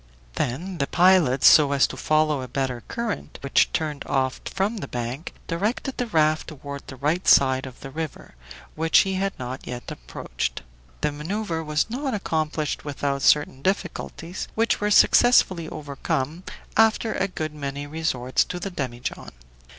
Then the pilot, so as to follow a better current, which turned off from the bank, directed the raft toward the right side of the river, which he had not yet approached. The maneuver was not accomplished without certain difficulties, which were successfully overcome after a good many resorts to the demijohn.